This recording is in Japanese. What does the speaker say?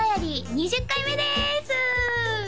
２０回目です！